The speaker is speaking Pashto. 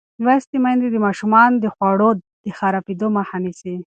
لوستې میندې د ماشومانو د خوړو د خرابېدو مخه نیسي.